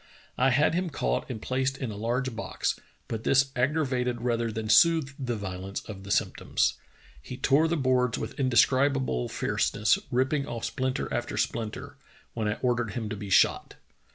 I had him caught and placed in a large box, but this aggra vated rather than soothed the violence of the symptoms. He tore the boards with indescribable fierceness, rip ping off splinter after splinter, when I ordered him to be shot."